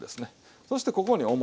そしてここにお餅。